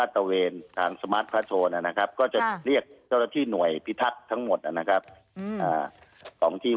ตัวที่ทำการอุติารครับแล้วนึยทำให้ที่